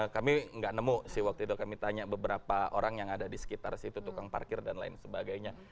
kami nggak nemu sih waktu itu kami tanya beberapa orang yang ada di sekitar situ tukang parkir dan lain sebagainya